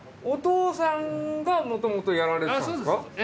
お父さんがもともとやられてたんですか？